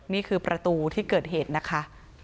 นี่คือประตูที่เกิดเหตุนะคะ